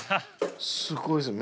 すごいですよ